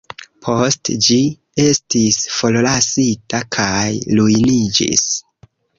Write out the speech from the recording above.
Poste ĝi estis forlasita kaj ruiniĝis.